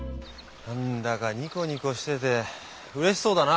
何だかにこにこしててうれしそうだな。